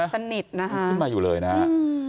มันขึ้นมาอยู่เลยนะฮะ